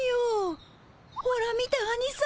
ほら見てアニさん。